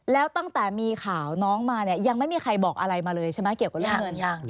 แล้วตั้งแต่มีข่าวน้องมาเนี่ยยังไม่มีใครบอกอะไรมาเลยใช่ไหมเกี่ยวกับเรื่องเงินยัง